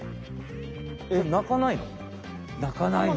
えっ鳴かないの？